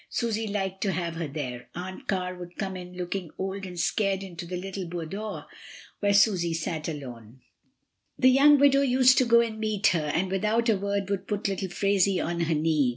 Susy liked to have her there. Aunt Car would come in looking old and scared into the little boudoir where Susy sat alone. AFTERWARDS. 35 The young widow used to go to meet her, and without a word would put little Phraisie on her knee.